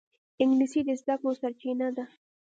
انګلیسي د زده کړو سرچینه ده